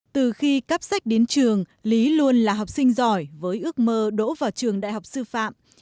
từ khi cắp sách đến trường lý luôn là học sinh giỏi với ước mơ đổ vào trường đại học sư phạm